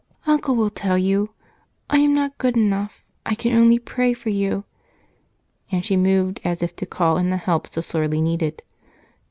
"Uncle will tell you I am not good enough I can only pray for you." And she moved as if to call in the help so sorely needed.